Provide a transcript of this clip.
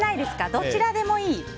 どちらでもいい。